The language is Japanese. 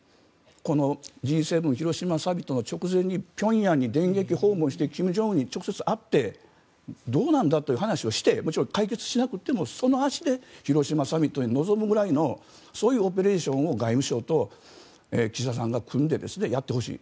このＧ７広島サミットの直前に平壌に電撃訪問して金正恩に直接、会ってどうなんだと話をしてもちろん解決しなくてもその足で広島サミットに臨むくらいのそういうオペレーションを外務省と岸田さんが組んでやってほしい。